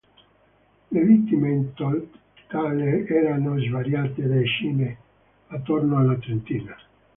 Le vittime in totale erano svariate decine, attorno alla trentina.